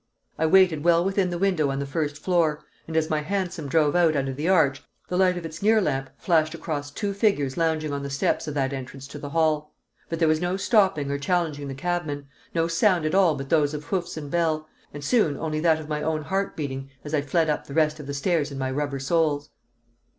I waited well within the window on the first floor; and as my hansom drove out under the arch, the light of its near lamp flashed across two figures lounging on the steps of that entrance to the hall; but there was no stopping or challenging the cabman, no sound at all but those of hoofs and bell, and soon only that of my own heart beating as I fled up the rest of the stairs in my rubber soles.